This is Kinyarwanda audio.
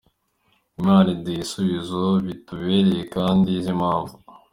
Imana iduha ibisubizo bitubereye kandi izi impamvu.